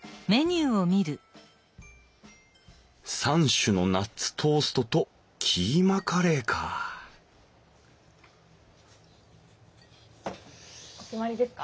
３種のナッツトーストとキーマカレーかお決まりですか？